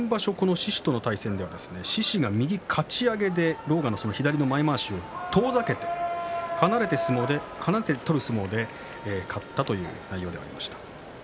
獅司との対戦、獅司が右かち上げで狼雅が左の前まわしを遠ざけて離れた相撲で勝ったという内容ではありました。